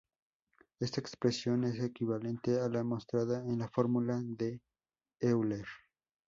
Esta expresión es equivalente a la mostrada en la fórmula de Euler.